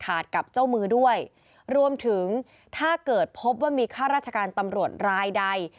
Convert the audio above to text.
กับเจ้ามือด้วยรวมถึงถ้าเกิดพบว่ามีข้าราชการตำรวจรายใด